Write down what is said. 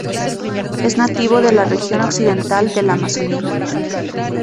Es nativo de la región occidental de la Amazonia.